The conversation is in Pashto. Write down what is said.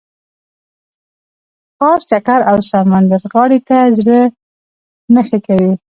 ښار چکر او سمندرغاړې ته زړه نه ښه کوي.